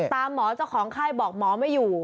หมอเจ้าของไข้บอกหมอไม่อยู่